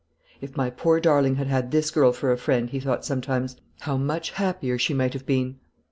"If my poor darling had had this girl for a friend," he thought sometimes, "how much happier she might have been!"